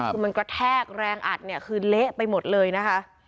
คือมันกระแทกแรงอัดเนี่ยคือเละไปหมดเลยนะคะ